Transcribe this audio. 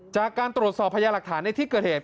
จากการตรวจสอบพยาหลักฐานในที่เกิดเหตุ